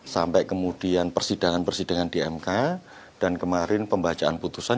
sampai kemudian persidangan persidangan di mk dan kemarin pembacaan putusan